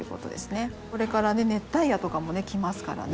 これから熱帯夜とかも来ますからね。